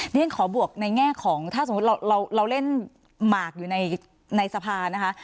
เรียนขอบวกในแง่ของถ้าสมมุติเราเล่นหมากอยู่ในสภานะคะ